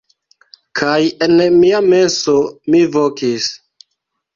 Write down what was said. Kaj en mia menso, mi vokis: